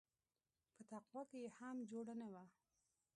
په تقوا کښې يې هم جوړه نه وه.